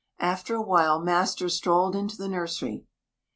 After a while, master strolled into the nursery.